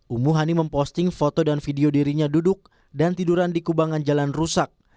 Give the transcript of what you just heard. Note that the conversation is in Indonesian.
umuh hani memposting foto dan video dirinya duduk dan tiduran di kubangan jalan rusak